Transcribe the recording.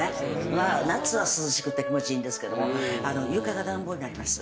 まあ夏は涼しくて気持ちいいんですけども床が暖房になります。